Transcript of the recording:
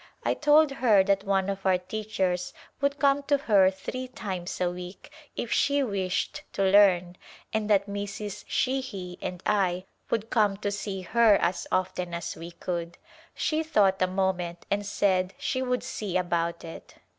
I told her that one of our teachers would come to her three times a week if she wished to learn and that Mrs. Sheahy and I would come to see her as often as we could. She thought a moment and said she would see about it.